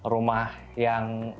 karena rumah yang unconnected